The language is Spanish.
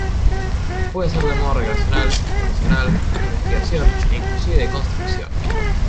Puede ser de modo recreacional, profesional, de investigación e inclusive de construcción.